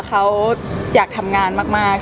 เขาอยากทำงานมาก